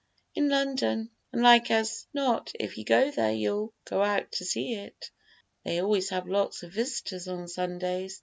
"In London; and like as not if you go there you'll go out to see it. They always have lots of visitors on Sundays.